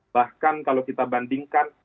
bahkan kalau kita bandingkan